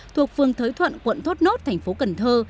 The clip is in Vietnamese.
thuộc phương thới thuận quận thốt nốt thành phố cần thơ